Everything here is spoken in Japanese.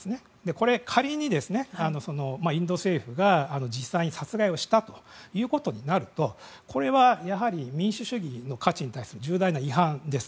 これ仮に、インド政府が実際に殺害したということになるとこれはやはり民主主義の価値に対する重大な違反です。